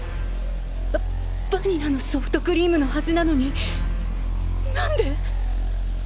ババニラのソフトクリームのはずなのになんで！？